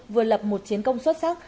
vừa lập một chiến công xuất sắc